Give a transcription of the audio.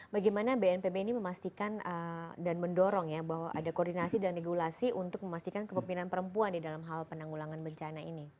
bagaimana bnpb ini memastikan dan mendorong ya bahwa ada koordinasi dan regulasi untuk memastikan kepemimpinan perempuan di dalam hal penanggulangan bencana ini